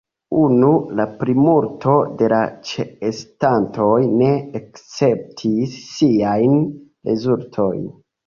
Unue la plimulto de la ĉeestantoj ne akceptis siajn rezultojn.